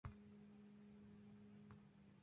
Es un fosfato anhidro de aluminio.